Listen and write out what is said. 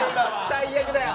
最悪だよ！